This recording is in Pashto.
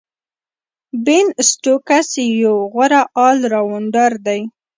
بین سټوکس یو غوره آل راونډر دئ.